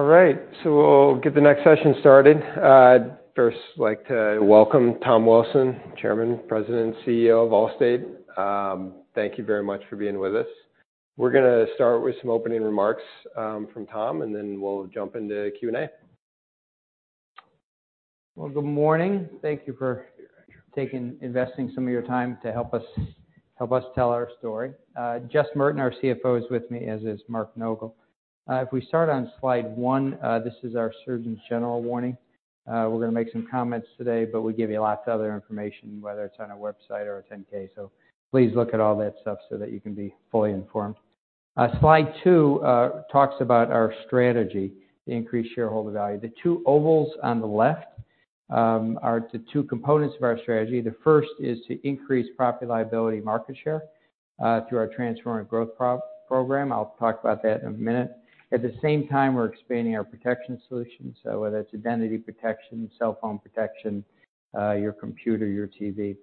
All right, we'll get the next session started. I'd first like to welcome Tom Wilson, Chair, President, and Chief Executive Officer of The Allstate Corporation. Thank you very much for being with us. We're going to start with some opening remarks from Tom, we'll jump into Q&A. Well, good morning. Thank you for investing some of your time to help us tell our story. Jess Merten, our CFO, is with me, as is Mark Nogal. We start on slide one, this is our Surgeon General warning. We're going to make some comments today, we give you lots of other information, whether it's on our website or a 10-K. Please look at all that stuff so that you can be fully informed. Slide two talks about our strategy to increase shareholder value. The two ovals on the left are the two components of our strategy. The first is to increase property and liability market share through our transformative growth program. I'll talk about that in a minute. At the same time, we're expanding our protection solutions, whether it's identity protection, cell phone protection, your computer, your TV.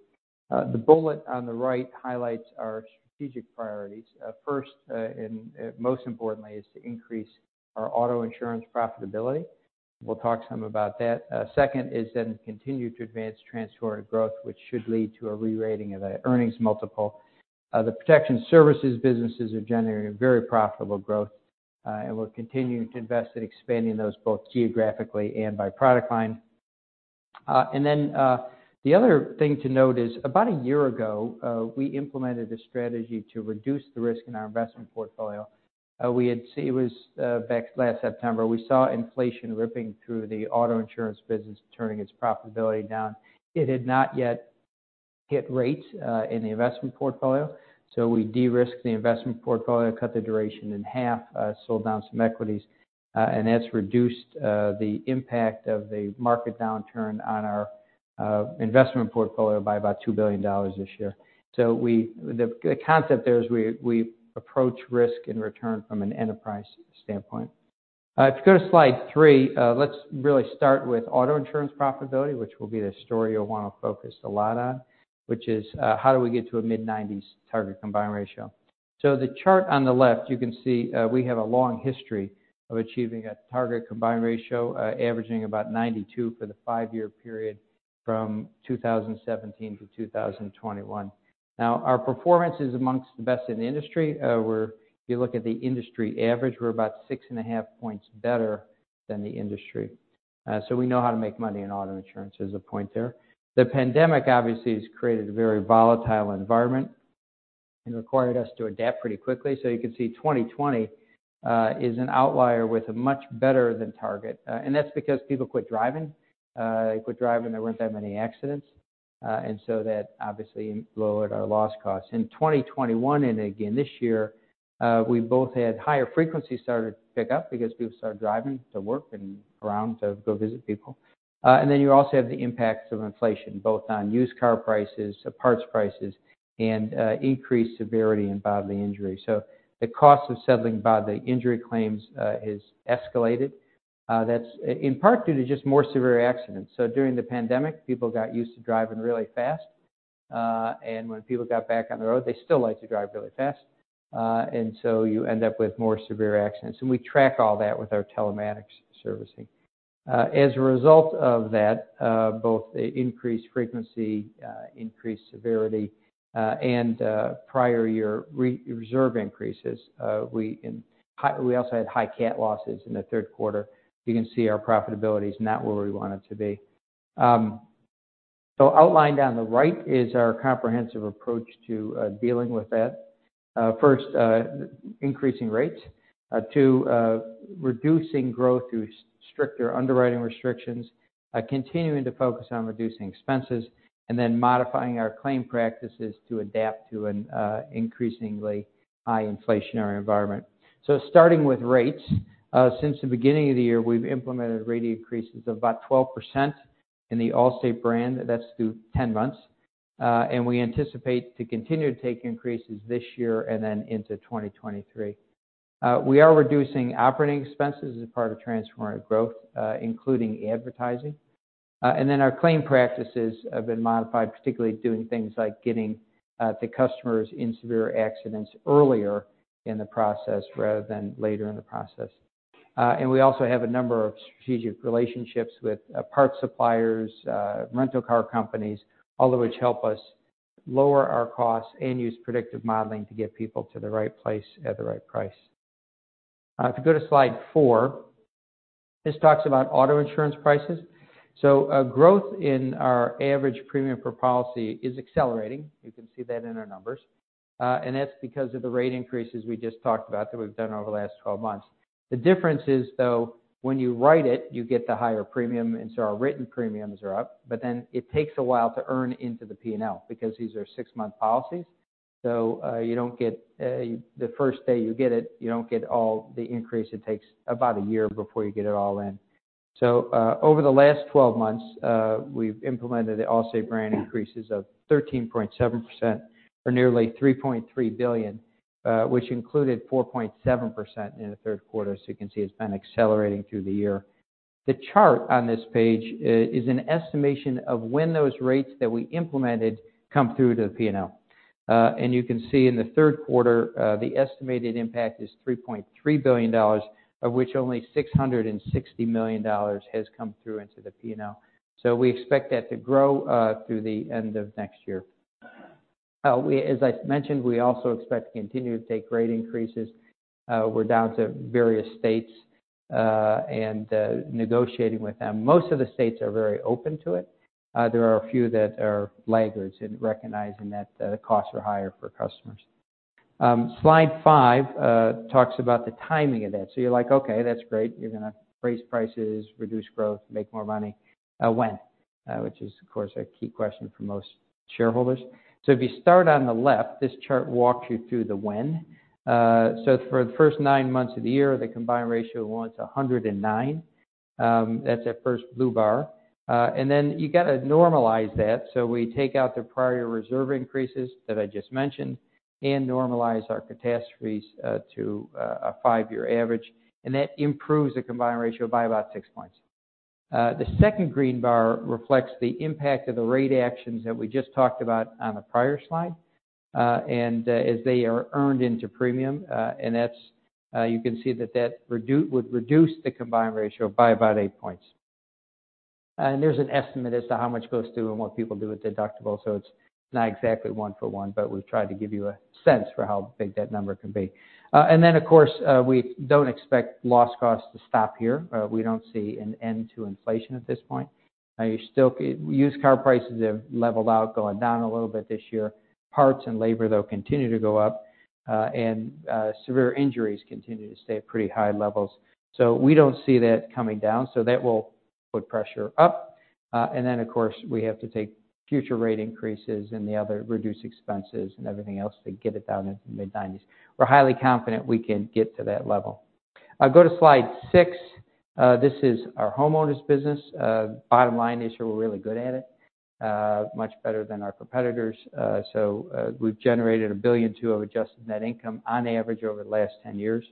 The bullet on the right highlights our strategic priorities. First, most importantly, is to increase our auto insurance profitability. We'll talk some about that. Second is to continue to advance transformative growth, which should lead to a re-rating of an earnings multiple. The Protection Services businesses are generating very profitable growth, we're continuing to invest in expanding those both geographically and by product line. The other thing to note is, about a year ago, we implemented a strategy to reduce the risk in our investment portfolio. It was back last September, we saw inflation ripping through the auto insurance business, turning its profitability down. It had not yet hit rates in the investment portfolio, we de-risked the investment portfolio, cut the duration in half, sold down some equities, that's reduced the impact of the market downturn on our investment portfolio by about $2 billion this year. The concept there is we approach risk and return from an enterprise standpoint. You go to slide three, let's really start with auto insurance profitability, which will be the story you'll want to focus a lot on, which is how do we get to a mid-90s target combined ratio? The chart on the left, you can see we have a long history of achieving a target combined ratio, averaging about 92 for the five-year period from 2017 to 2021. Now, our performance is amongst the best in the industry. If you look at the industry average, we're about 6.5 points better than the industry. We know how to make money in auto insurance. There's a point there. The pandemic, obviously, has created a very volatile environment and required us to adapt pretty quickly. You can see 2020 is an outlier with a much better than target. That's because people quit driving. They quit driving, there weren't that many accidents, that obviously lowered our loss costs. In 2021, again this year, we both had higher frequency started to pick up because people started driving to work and around to go visit people. You also have the impacts of inflation, both on used car prices, parts prices, and increased severity in bodily injury. The cost of settling bodily injury claims has escalated. That's in part due to just more severe accidents. During the pandemic, people got used to driving really fast. When people got back on the road, they still like to drive really fast. You end up with more severe accidents, we track all that with our telematics servicing. As a result of that, both the increased frequency, increased severity, and prior year reserve increases, we also had high cat losses in the third quarter. You can see our profitability is not where we want it to be. Outlined on the right is our comprehensive approach to dealing with that. First, increasing rates. Two, reducing growth through stricter underwriting restrictions, continuing to focus on reducing expenses, modifying our claim practices to adapt to an increasingly high inflationary environment. Starting with rates. Since the beginning of the year, we've implemented rate increases of about 12% in the Allstate brand. That's through 10 months. We anticipate to continue to take increases this year and then into 2023. We are reducing operating expenses as part of transformative growth, including advertising. Our claim practices have been modified, particularly doing things like getting the customers in severe accidents earlier in the process rather than later in the process. We also have a number of strategic relationships with parts suppliers, rental car companies, all of which help us lower our costs and use predictive modeling to get people to the right place at the right price. If you go to slide four, this talks about auto insurance prices. Growth in our average premium per policy is accelerating. You can see that in our numbers. That's because of the rate increases we just talked about that we've done over the last 12 months. The difference is, though, when you write it, you get the higher premium, our written premiums are up, but then it takes a while to earn into the P&L because these are 6-month policies. The first day you get it, you don't get all the increase. It takes about a year before you get it all in. Over the last 12 months, we've implemented Allstate brand increases of 13.7%, or nearly $3.3 billion, which included 4.7% in the third quarter. You can see it's been accelerating through the year. The chart on this page is an estimation of when those rates that we implemented come through to the P&L. You can see in the third quarter, the estimated impact is $3.3 billion, of which only $660 million has come through into the P&L. We expect that to grow through the end of next year. As I mentioned, we also expect to continue to take rate increases. We're down to various states and negotiating with them. Most of the states are very open to it. There are a few that are laggards in recognizing that the costs are higher for customers. Slide five talks about the timing of that. You're like, okay, that's great. You're going to raise prices, reduce growth, make more money. When? Which is, of course, a key question for most shareholders. If you start on the left, this chart walks you through the when. For the first nine months of the year, the combined ratio was 109. That's that first blue bar. You got to normalize that, we take out the prior reserve increases that I just mentioned and normalize our catastrophes to a five-year average, that improves the combined ratio by about six points. The second green bar reflects the impact of the rate actions that we just talked about on the prior slide, as they are earned into premium, you can see that that would reduce the combined ratio by about eight points. There's an estimate as to how much goes through and what people do with deductibles, it's not exactly one for one, but we've tried to give you a sense for how big that number can be. Of course, we don't expect loss costs to stop here. We don't see an end to inflation at this point. Used car prices have leveled out, going down a little bit this year. Parts and labor, though, continue to go up, severe injuries continue to stay at pretty high levels. We don't see that coming down, that will put pressure up. Of course, we have to take future rate increases and the other reduced expenses and everything else to get it down into the mid-90s. We're highly confident we can get to that level. Go to slide six. This is our homeowners business. Bottom line is we're really good at it, much better than our competitors. We've generated $1.2 billion of adjusted net income on average over the last 10 years.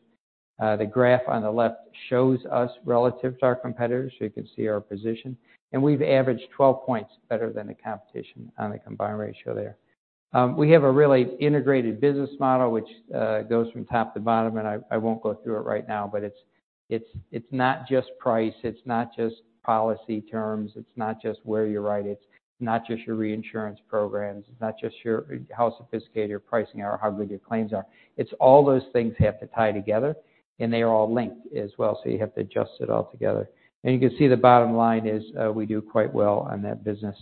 The graph on the left shows us relative to our competitors, you can see our position. We've averaged 12 points better than the competition on the combined ratio there. We have a really integrated business model, which goes from top to bottom, I won't go through it right now, but it's not just price, it's not just policy terms, it's not just where you write it's not just your reinsurance programs, it's not just how sophisticated your pricing are or how good your claims are. It's all those things have to tie together, they are all linked as well, you have to adjust it all together. You can see the bottom line is we do quite well on that business.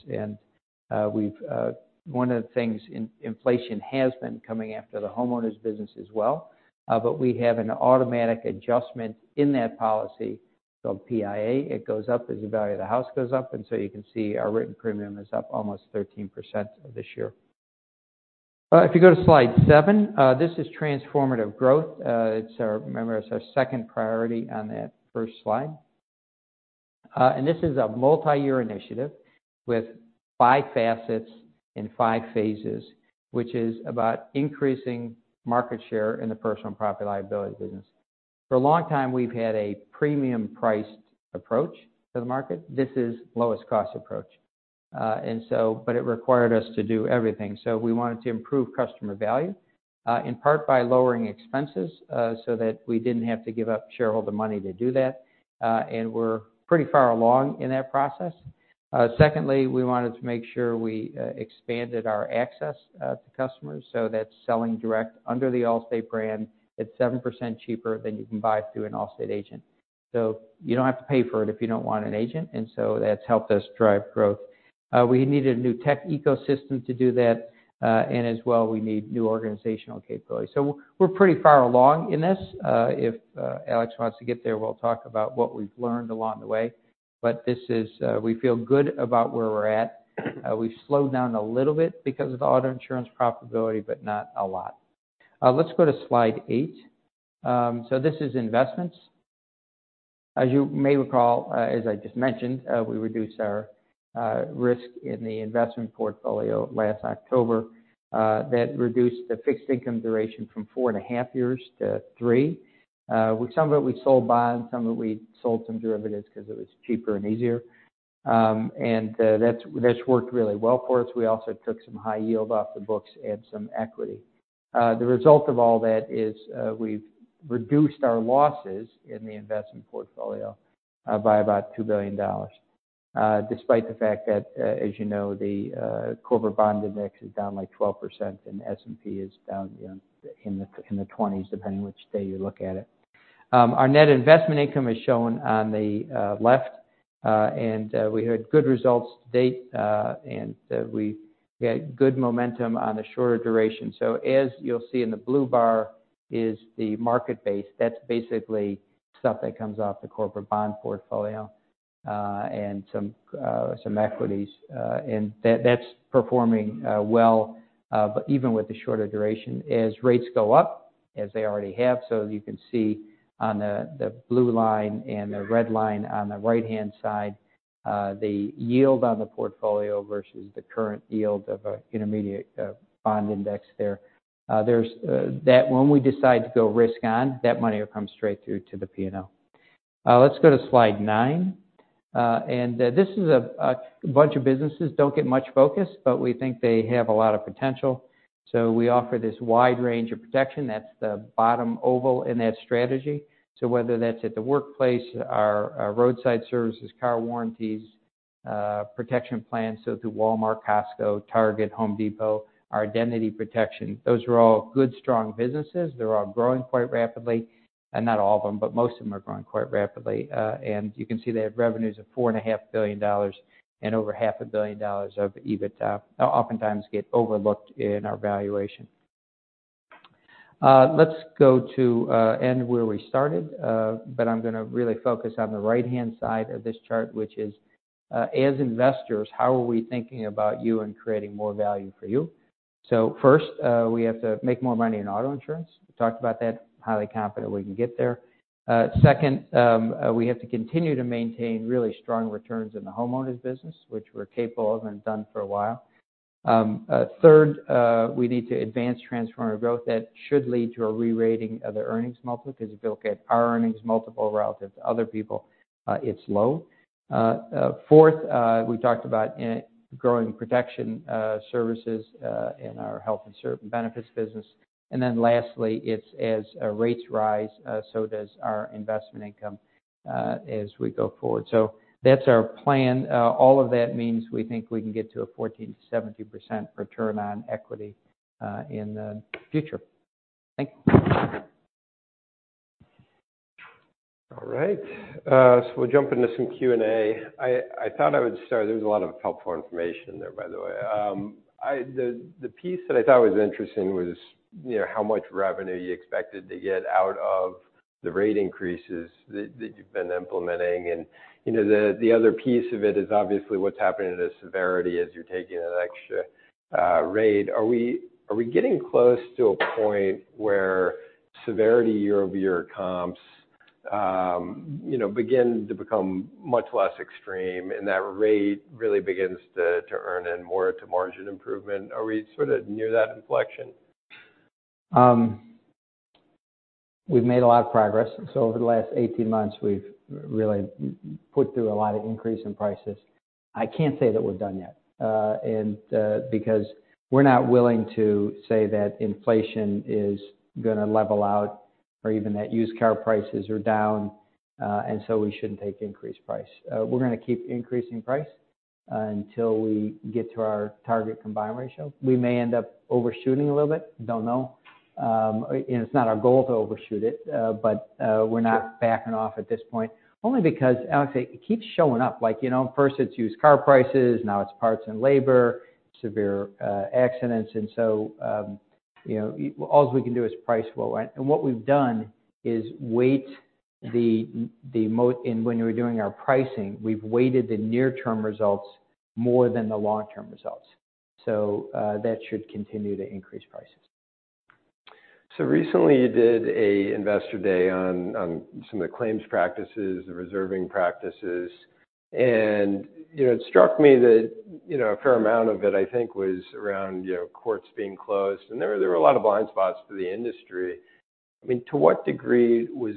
One of the things, inflation has been coming after the homeowners business as well, but we have an automatic adjustment in that policy called PIA. It goes up as the value of the house goes up, you can see our written premium is up almost 13% this year. Go to slide seven, this is transformative growth. Remember, it's our second priority on that first slide. This is a multi-year initiative with five facets and five phases, which is about increasing market share in the personal and property liability business. For a long time, we've had a premium-priced approach to the market. This is lowest-cost approach. It required us to do everything. We wanted to improve customer value, in part by lowering expenses so that we didn't have to give up shareholder money to do that. We're pretty far along in that process. Secondly, we wanted to make sure we expanded our access to customers, so that's selling direct under the Allstate brand at 7% cheaper than you can buy through an Allstate agent. You don't have to pay for it if you don't want an agent, and so that's helped us drive growth. We needed a new tech ecosystem to do that, and as well, we need new organizational capabilities. We're pretty far along in this. If Alex wants to get there, we'll talk about what we've learned along the way. We feel good about where we're at. We've slowed down a little bit because of auto insurance profitability, but not a lot. Let's go to slide eight. This is investments. As you may recall, as I just mentioned, we reduced our risk in the investment portfolio last October. That reduced the fixed income duration from 4.5 years to three. With some of it, we sold bonds, some of it we sold some derivatives because it was cheaper and easier. That's worked really well for us. We also took some high yield off the books and some equity. The result of all that is we've reduced our losses in the investment portfolio by about $2 billion, despite the fact that, as you know, the corporate bond index is down like 12% and the S&P is down in the 20s, depending on which day you look at it. Our net investment income is shown on the left, and we had good results to date, and we had good momentum on the shorter duration. As you'll see in the blue bar is the market base. That's basically stuff that comes off the corporate bond portfolio, and some equities, and that's performing well, but even with the shorter duration. As rates go up, as they already have, so you can see on the blue line and the red line on the right-hand side, the yield on the portfolio versus the current yield of an intermediate bond index there. When we decide to go risk on, that money will come straight through to the P&L. Let's go to slide nine. This is a bunch of businesses don't get much focus, but we think they have a lot of potential. We offer this wide range of protection, that's the bottom oval in that strategy. Whether that's at the workplace, our roadside services, car warranties, Protection Plans, so through Walmart, Costco, Target, Home Depot, our Allstate Identity Protection, those are all good, strong businesses. They're all growing quite rapidly. Not all of them, but most of them are growing quite rapidly. You can see they have revenues of $4.5 billion and over half a billion dollars of EBITDA, oftentimes get overlooked in our valuation. Let's go to end where we started. I'm going to really focus on the right-hand side of this chart, which is, as investors, how are we thinking about you and creating more value for you? First, we have to make more money in auto insurance. We talked about that. Highly confident we can get there. Second, we have to continue to maintain really strong returns in the homeowners business, which we're capable of and done for a while. Third, we need to advance transformative growth that should lead to a re-rating of the earnings multiple. Because if you look at our earnings multiple relative to other people, it's low. Fourth, we talked about growing Protection Services in our health and certain benefits business. Lastly, it's as rates rise, so does our investment income as we go forward. That's our plan. All of that means we think we can get to a 14%-17% return on equity in the future. Thank you. All right. We'll jump into some Q&A. I thought I would start, there was a lot of helpful information there, by the way. The piece that I thought was interesting was how much revenue you expected to get out of the rate increases that you've been implementing. The other piece of it is obviously what's happening to the severity as you're taking an extra rate. Are we getting close to a point where severity year-over-year comps begin to become much less extreme, and that rate really begins to earn in more to margin improvement? Are we sort of near that inflection? We've made a lot of progress. Over the last 18 months, we've really put through a lot of increase in prices. I can't say that we're done yet. Because we're not willing to say that inflation is going to level out or even that used car prices are down, we shouldn't take increased price. We're going to keep increasing price until we get to our target combined ratio. We may end up overshooting a little bit, don't know. It's not our goal to overshoot it. We're not backing off at this point, only because, Alex, it keeps showing up. First it's used car prices, now it's parts and labor, severe accidents. All we can do is price roll. What we've done is weight the moat, and when we're doing our pricing, we've weighted the near-term results more than the long-term results. That should continue to increase prices. Recently, you did a investor day on some of the claims practices, the reserving practices. It struck me that a fair amount of it, I think, was around courts being closed. There were a lot of blind spots for the industry. To what degree was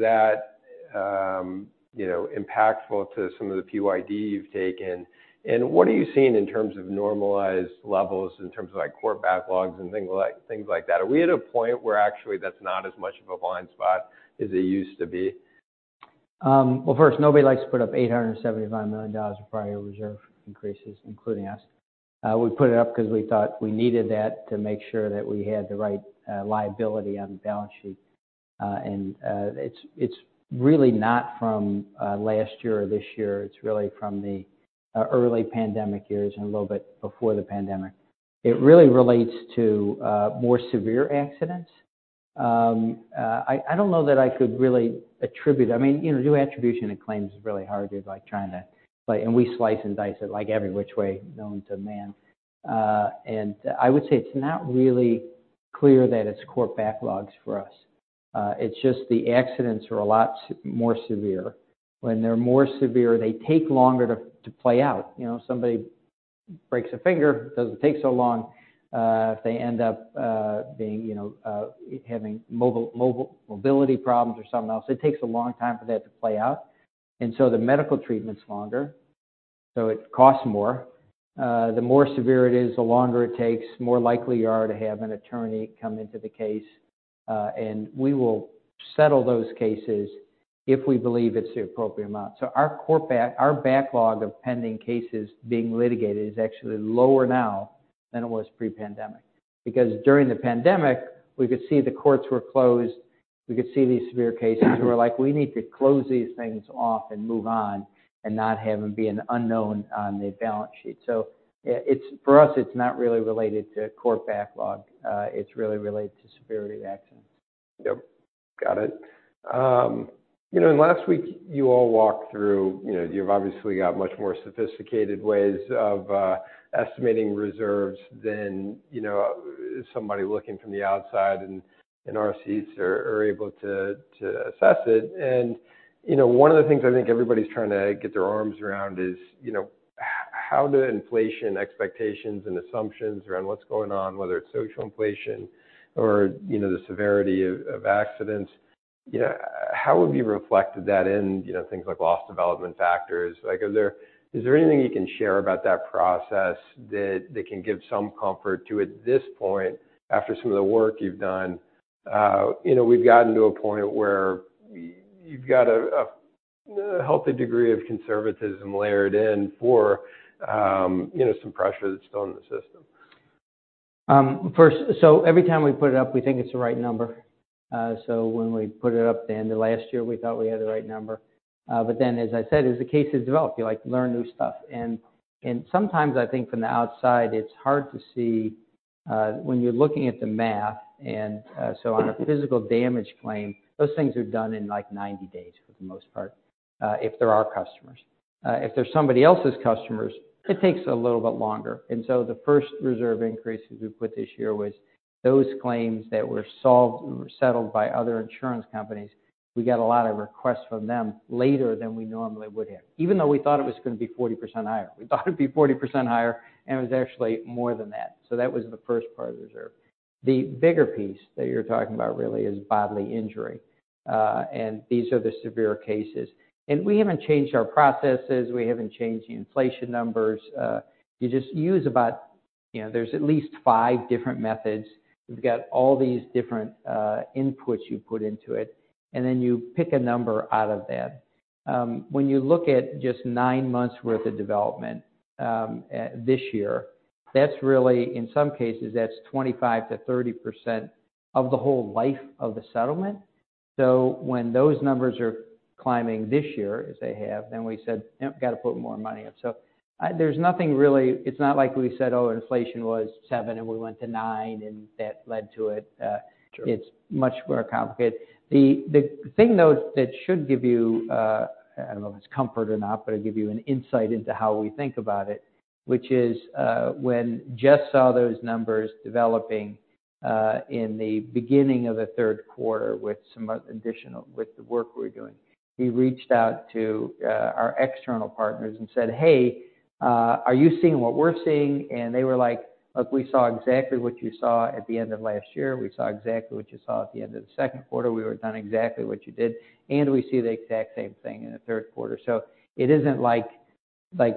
that impactful to some of the PYD you've taken, and what are you seeing in terms of normalized levels, in terms of court backlogs and things like that? Are we at a point where actually that's not as much of a blind spot as it used to be? Well, first, nobody likes to put up $875 million of prior reserve increases, including us. We put it up because we thought we needed that to make sure that we had the right liability on the balance sheet. It's really not from last year or this year, it's really from the early pandemic years and a little bit before the pandemic. It really relates to more severe accidents. I don't know that I could really attribute. Doing attribution in claims is really hard to do, like trying to. We slice and dice it, like every which way known to man. I would say it's not really clear that it's court backlogs for us. It's just the accidents are a lot more severe. When they're more severe, they take longer to play out. Somebody breaks a finger, doesn't take so long. If they end up having mobility problems or something else, it takes a long time for that to play out. The medical treatment's longer, so it costs more. The more severe it is, the longer it takes, more likely you are to have an attorney come into the case. We will settle those cases if we believe it's the appropriate amount. Our backlog of pending cases being litigated is actually lower now than it was pre-pandemic. Because during the pandemic, we could see the courts were closed, we could see these severe cases, and we were like, "We need to close these things off and move on, and not have them be an unknown on the balance sheet." For us, it's not really related to court backlog. It's really related to severity of accidents. Yep. Got it. Last week, you all walked through, you've obviously got much more sophisticated ways of estimating reserves than somebody looking from the outside in our seats are able to assess it. How do inflation expectations and assumptions around what's going on, whether it's social inflation or the severity of accidents, how have you reflected that in things like loss development factors? Is there anything you can share about that process that can give some comfort to, at this point, after some of the work you've done, we've gotten to a point where you've got a healthy degree of conservatism layered in for some pressure that's still in the system. First, every time we put it up, we think it's the right number. As I said, as the case has developed, you learn new stuff. Sometimes I think from the outside, it's hard to see when you're looking at the math. On a physical damage claim, those things are done in like 90 days for the most part, if they're our customers. If they're somebody else's customers, it takes a little bit longer. The first reserve increases we put this year was those claims that were solved or settled by other insurance companies. We got a lot of requests from them later than we normally would have, even though we thought it was going to be 40% higher. We thought it'd be 40% higher, it was actually more than that. That was the first part of the reserve. The bigger piece that you're talking about really is bodily injury, and these are the severe cases. We haven't changed our processes, we haven't changed the inflation numbers. You just use about there's at least five different methods. You've got all these different inputs you put into it, and then you pick a number out of that. When you look at just nine months worth of development this year, that's really, in some cases, that's 25%-30% of the whole life of the settlement. When those numbers are climbing this year, as they have, we said, "Got to put more money in." There's nothing really. It's not like we said, oh, inflation was seven and we went to nine and that led to it. Sure. It's much more complicated. The thing, though, that should give you, I don't know if it's comfort or not, but it'll give you an insight into how we think about it, which is when Jess saw those numbers developing in the beginning of the third quarter with the work we were doing, we reached out to our external partners and said, "Hey, are you seeing what we're seeing?" They were like, "Look, we saw exactly what you saw at the end of last year. We saw exactly what you saw at the end of the second quarter. We were done exactly what you did, and we see the exact same thing in the third quarter." It isn't like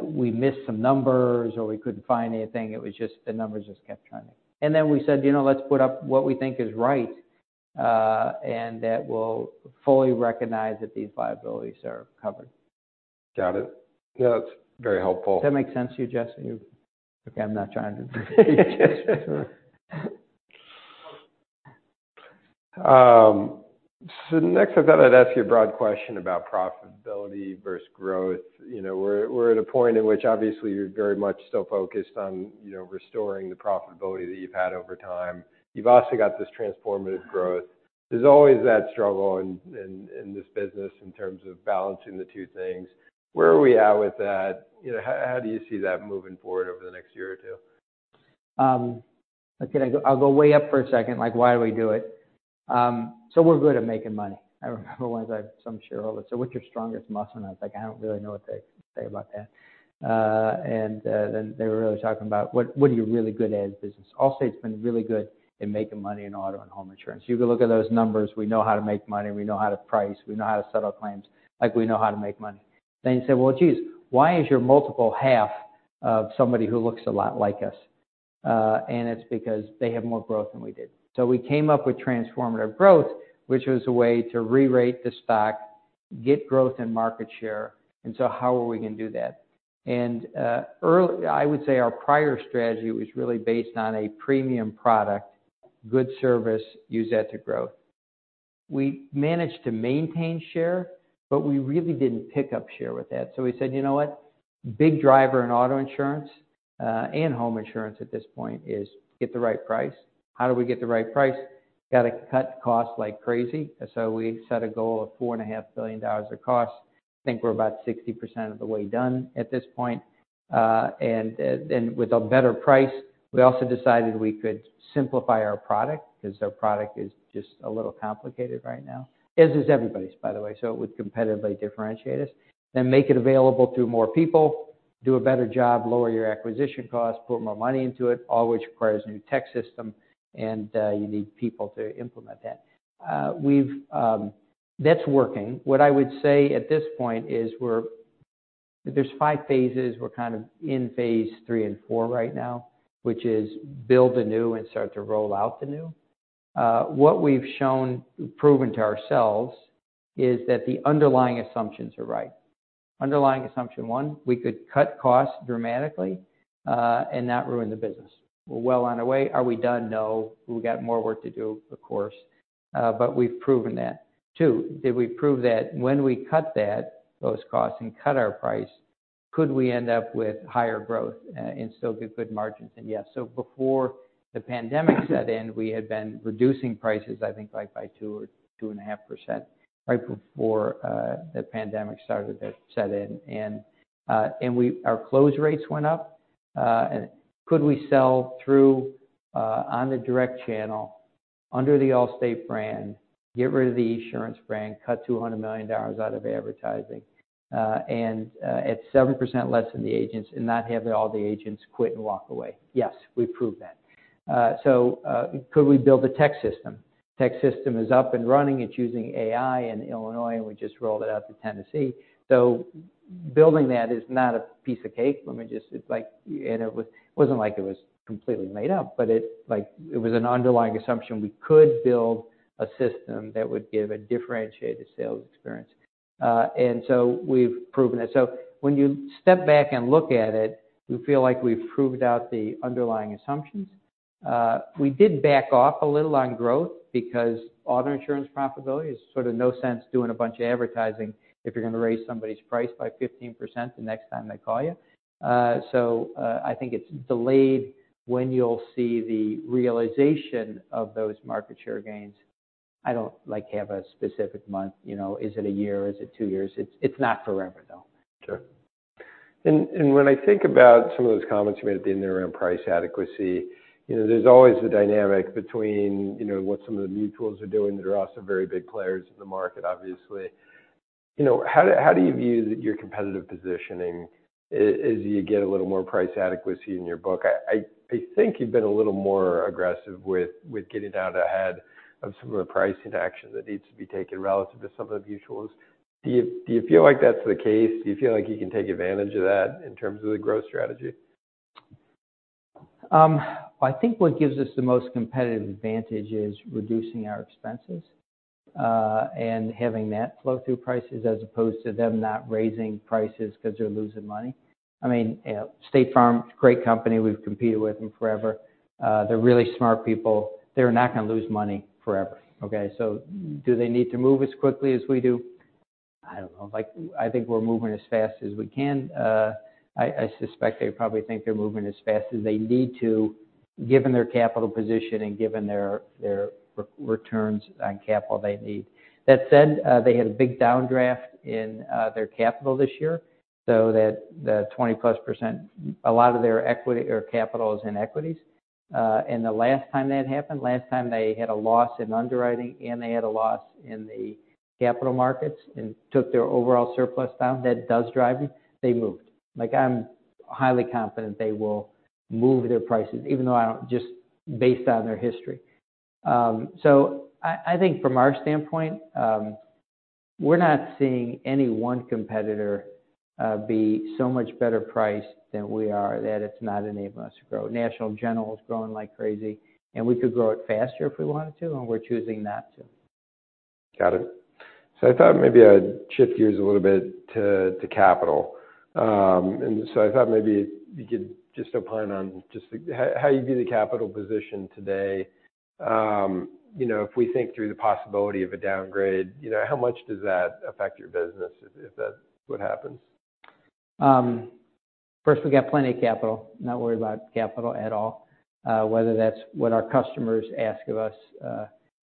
we missed some numbers or we couldn't find anything. It was just the numbers just kept trending. Then we said, "Let's put up what we think is right, and that will fully recognize that these liabilities are covered. Got it. Yeah, that's very helpful. Does that make sense to you, Jess? Okay, I'm not trying to I thought I'd ask you a broad question about profitability versus growth. We're at a point in which obviously you're very much still focused on restoring the profitability that you've had over time. You've also got this transformative growth. There's always that struggle in this business in terms of balancing the two things. Where are we at with that? How do you see that moving forward over the next year or two? I'll go way up for a second, like, why do we do it? We're good at making money. I remember once some shareholder said, "What's your strongest muscle?" I was like, "I don't really know what to say about that." They were really talking about, what are you really good at as a business? Allstate's been really good at making money in auto insurance and home insurance. You can look at those numbers. We know how to make money. We know how to price. We know how to settle claims. Like, we know how to make money. You say, "Well, geez, why is your multiple half of somebody who looks a lot like us?" It's because they have more growth than we do. We came up with transformative growth, which was a way to rerate the stock, get growth and market share. How are we going to do that? I would say our prior strategy was really based on a premium product, good service, use that to grow. We managed to maintain share, but we really didn't pick up share with that. We said, you know what? Big driver in auto insurance and home insurance at this point is get the right price. How do we get the right price? Got to cut costs like crazy. We set a goal of $4.5 billion of cost. I think we're about 60% of the way done at this point. With a better price, we also decided we could simplify our product because our product is just a little complicated right now. As is everybody's, by the way. It would competitively differentiate us and make it available to more people, do a better job, lower your acquisition cost, put more money into it, all which requires a new tech system, and you need people to implement that. That's working. What I would say at this point is there's 5 phases. We're kind of in phase 3 and 4 right now, which is build the new and start to roll out the new. What we've shown, proven to ourselves is that the underlying assumptions are right. Underlying assumption 1, we could cut costs dramatically, and not ruin the business. We're well on our way. Are we done? No. We've got more work to do, of course. We've proven that. 2, did we prove that when we cut that, those costs, and cut our price, could we end up with higher growth and still get good margins? Yes. Before the pandemic set in, we had been reducing prices, I think like by 2% or 2.5% right before the pandemic started to set in. Our close rates went up. Could we sell through on the direct channel? Under the Allstate brand, get rid of the Esurance brand, cut $200 million out of advertising, and at 7% less than the agents, and not have all the agents quit and walk away. Yes, we've proved that. Could we build a tech system? Tech system is up and running. It's using AI in Illinois, and we just rolled it out to Tennessee. Building that is not a piece of cake. It wasn't like it was completely made up, but it was an underlying assumption we could build a system that would give a differentiated sales experience. We've proven that. When you step back and look at it, we feel like we've proved out the underlying assumptions. We did back off a little on growth because auto insurance profitability is sort of no sense doing a bunch of advertising if you're going to raise somebody's price by 15% the next time they call you. I think it's delayed when you'll see the realization of those market share gains. I don't have a specific month. Is it a year? Is it two years? It's not forever, though. Sure. When I think about some of those comments you made at the end there around price adequacy, there's always the dynamic between what some of the mutuals are doing that are also very big players in the market, obviously. How do you view your competitive positioning as you get a little more price adequacy in your book? I think you've been a little more aggressive with getting out ahead of some of the pricing action that needs to be taken relative to some of the mutuals. Do you feel like that's the case? Do you feel like you can take advantage of that in terms of the growth strategy? I think what gives us the most competitive advantage is reducing our expenses, and having that flow through prices as opposed to them not raising prices because they're losing money. State Farm, great company, we've competed with them forever. They're really smart people. They're not going to lose money forever. Okay, do they need to move as quickly as we do? I don't know. I think we're moving as fast as we can. I suspect they probably think they're moving as fast as they need to given their capital position and given their returns on capital they need. That said, they had a big downdraft in their capital this year, so that 20-plus%, a lot of their equity or capital is in equities. The last time that happened, last time they had a loss in underwriting and they had a loss in the capital markets and took their overall surplus down, that does drive me, they moved. I'm highly confident they will move their prices, just based on their history. I think from our standpoint, we're not seeing any one competitor be so much better priced than we are that it's not enabling us to grow. National General is growing like crazy, and we could grow it faster if we wanted to, and we're choosing not to. Got it. I thought maybe I'd shift gears a little bit to capital. I thought maybe you could just opine on just how you view the capital position today. If we think through the possibility of a downgrade, how much does that affect your business if that would happens? First, we got plenty of capital. Not worried about capital at all. Whether that's what our customers ask of us,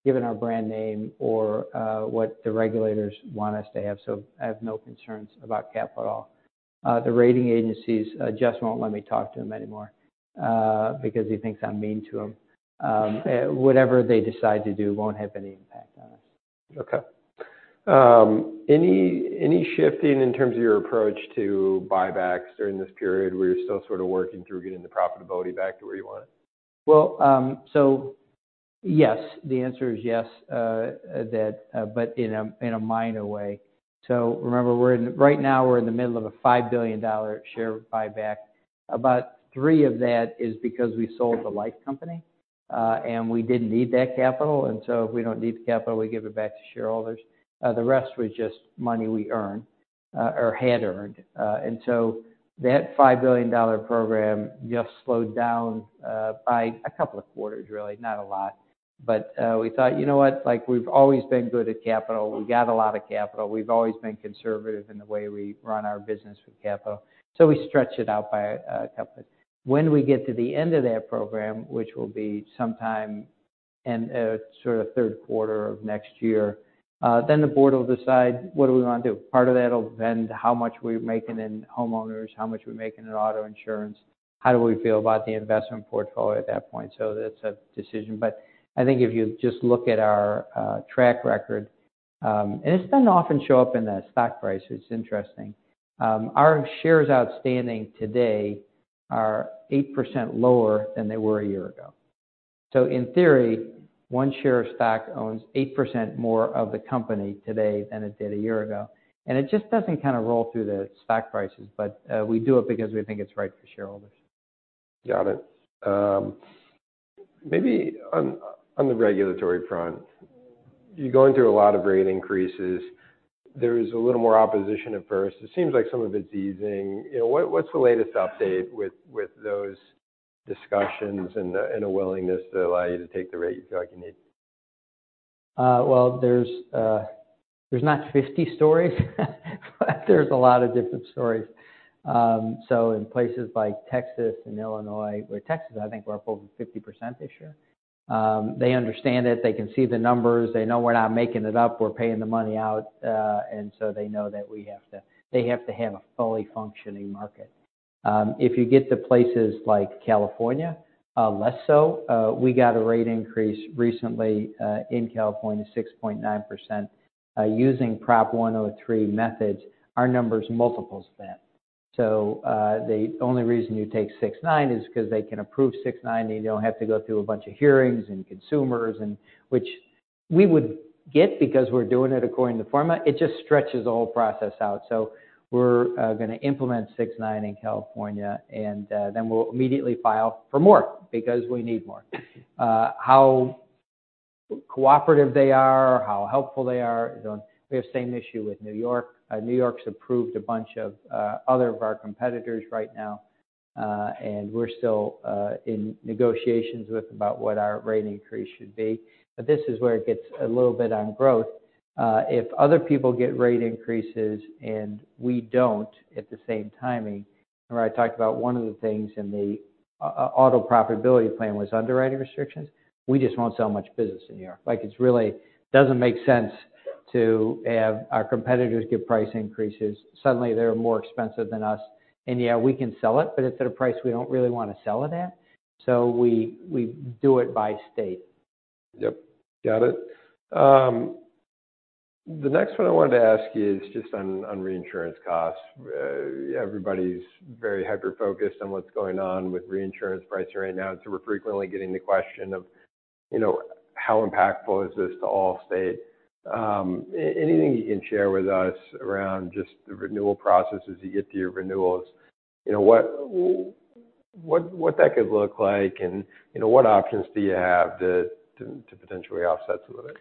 given our brand name or what the regulators want us to have. I have no concerns about capital at all. The rating agencies, Jess won't let me talk to him anymore, because he thinks I'm mean to him. Whatever they decide to do won't have any impact on us. Okay. Any shifting in terms of your approach to buybacks during this period where you're still sort of working through getting the profitability back to where you want it? Yes, the answer is yes, but in a minor way. Remember, right now we're in the middle of a $5 billion share buyback. About 3 of that is because we sold the Life Company, and we didn't need that capital. If we don't need the capital, we give it back to shareholders. The rest was just money we earned, or had earned. That $5 billion program just slowed down by a couple of quarters, really, not a lot. We thought, you know what? We've always been good at capital. We got a lot of capital. We've always been conservative in the way we run our business with capital. We stretch it out by a couple. When we get to the end of that program, which will be sometime in sort of third quarter of next year, the board will decide what do we want to do. Part of that'll depend how much we're making in home insurance, how much we're making in auto insurance, how do we feel about the investment portfolio at that point. That's a decision. I think if you just look at our track record, and it doesn't often show up in the stock price, it's interesting. Our shares outstanding today are 8% lower than they were a year ago. In theory, one share of stock owns 8% more of the company today than it did a year ago. It just doesn't kind of roll through the stock prices. We do it because we think it's right for shareholders. Got it. Maybe on the regulatory front, you're going through a lot of rate increases. There was a little more opposition at first. It seems like some of it's easing. What's the latest update with those discussions and a willingness to allow you to take the rate you feel like you need? There's not 50 stories, there's a lot of different stories. In places like Texas and Illinois, where Texas, I think we're up over 50% this year. They understand it. They can see the numbers. They know we're not making it up. We're paying the money out, they know that they have to have a fully functioning market. If you get to places like California, less so. We got a rate increase recently in California, 6.9%, using Prop 103 methods. Our number's multiples of that. The only reason you take 6.9 is because they can approve 6.9, and you don't have to go through a bunch of hearings and consumers, which we would get because we're doing it according to pro forma. It just stretches the whole process out. We're going to implement 6.9% in California, then we'll immediately file for more because we need more. How cooperative they are, how helpful they are. We have the same issue with N.Y. N.Y.'s approved a bunch of other of our competitors right now, we're still in negotiations with about what our rate increase should be. This is where it gets a little bit on growth. If other people get rate increases and we don't at the same timing, remember I talked about one of the things in the auto profitability plan was underwriting restrictions, we just won't sell much business in N.Y. It really doesn't make sense to have our competitors give price increases. Suddenly they're more expensive than us, yeah, we can sell it's at a price we don't really want to sell it at. We do it by state. Yep, got it. The next one I wanted to ask you is just on reinsurance costs. Everybody's very hyper-focused on what's going on with reinsurance pricing right now, we're frequently getting the question of how impactful is this to Allstate? Anything you can share with us around just the renewal processes you get to your renewals, what that could look like, and what options do you have to potentially offset some of it?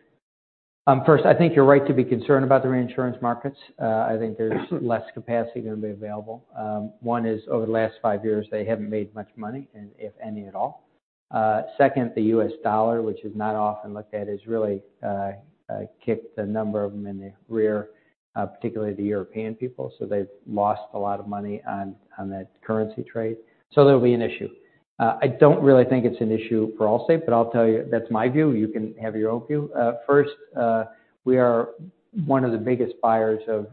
First, I think you're right to be concerned about the reinsurance markets. I think there's less capacity going to be available. One is over the last five years, they haven't made much money, if any at all. Second, the U.S. dollar, which is not often looked at, has really kicked a number of them in the rear, particularly the European people. They've lost a lot of money on that currency trade. That'll be an issue. I don't really think it's an issue for Allstate, I'll tell you that's my view. You can have your own view. First, we are one of the biggest buyers of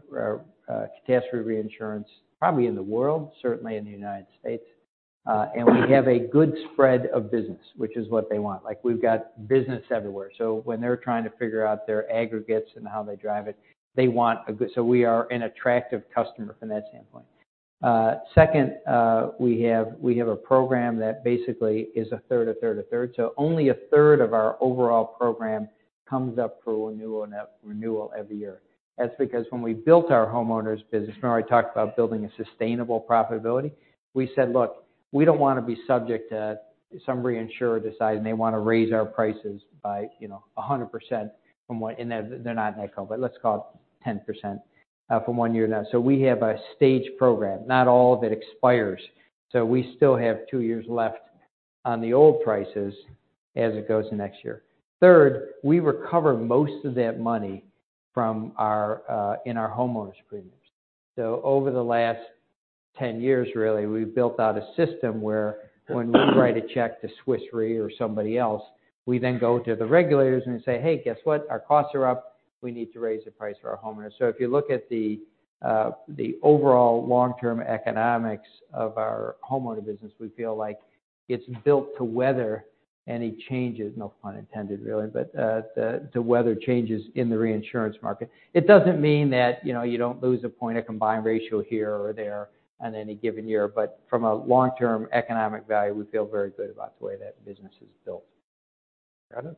catastrophe reinsurance, probably in the world, certainly in the U.S. We have a good spread of business, which is what they want. We've got business everywhere. When they're trying to figure out their aggregates and how they drive it, we are an attractive customer from that standpoint. Second, we have a program that basically is a third, a third, a third. Only a third of our overall program comes up for renewal every year. That's because when we built our homeowners business, remember I talked about building a sustainable profitability, we said, look, we don't want to be subject to some reinsurer deciding they want to raise our prices by 100% from what, and they're not in that call, but let's call it 10% from one year to the next. We have a staged program, not all of it expires. We still have two years left on the old prices as it goes to next year. Third, we recover most of that money in our homeowners premiums. Over the last 10 years, really, we've built out a system where when we write a check to Swiss Re or somebody else, we then go to the regulators and say, "Hey, guess what? Our costs are up. We need to raise the price for our homeowners." If you look at the overall long-term economics of our homeowner business, we feel like it's built to weather any changes, no pun intended, really, but to weather changes in the reinsurance market. It doesn't mean that you don't lose a point of combined ratio here or there on any given year. From a long-term economic value, we feel very good about the way that business is built. Got it.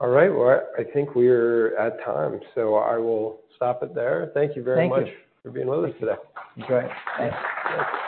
All right. I think we're at time, I will stop it there. Thank you very much- Thank you Thank you for being with us today. Enjoy. Thanks.